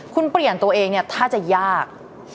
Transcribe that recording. คุณเปลี่ยนตัวเองถ้าจะยาก